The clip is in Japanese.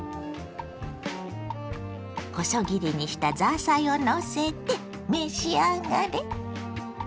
細切りにしたザーサイをのせて召し上がれ。